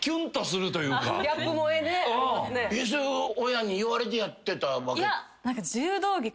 親に言われてやってた？